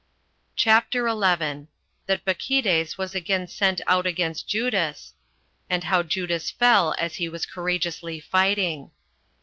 CHAPTER 11. That Bacchides Was Again Sent Out Against Judas; And How Judas Fell As He Was Courageously Fighting.